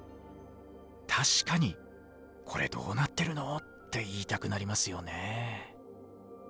確かに「コレどうなってるの！？」って言いたくなりますよねえ。